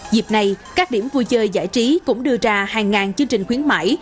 dịp này các điểm vui chơi giải trí cũng đưa ra hàng ngàn chương trình khuyến mãi